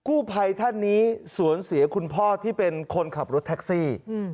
กู้ภัยท่านนี้สวนเสียคุณพ่อที่เป็นคนขับรถแท็กซี่